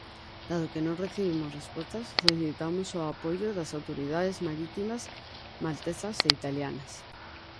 Dado que non recibimos resposta, solicitamos o apoio das autoridades marítimas maltesas e italianas.